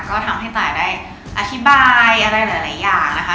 ก็ทำให้ตายได้อธิบายอะไรหลายอย่างนะคะ